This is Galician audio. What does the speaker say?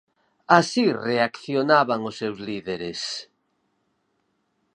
Así reaccionaban os seus líderes...